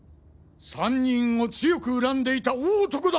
３人を強く恨んでいた大男だ！